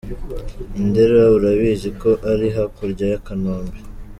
I Ndera urabizi ko ari hakurya ya Kanombe.